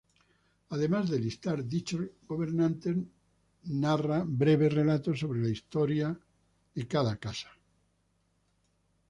Además de listar dichos gobernantes, narra breves relatos sobre la historia sobre cada casa.